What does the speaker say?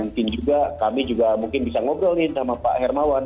mungkin juga kami juga mungkin bisa ngobrol nih sama pak hermawan